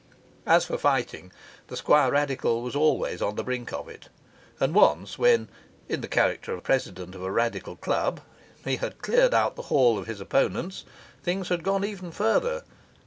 As for fighting, the Squirradical was always on the brink of it; and once, when (in the character of president of a Radical club) he had cleared out the hall of his opponents, things had gone even further.